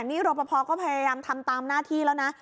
นี่รอปภก็พยายามทำตามหน้าที่แล้วนะ